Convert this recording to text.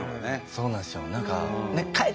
そうなんですよ。